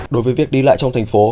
đối với việc đi lại trong thành phố